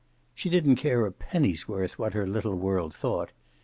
She did not care a penny's worth what her little world thought.